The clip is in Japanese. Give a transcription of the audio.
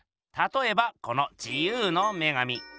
たとえばこの自由の女神。